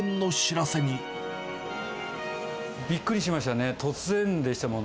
びっくりしましたね。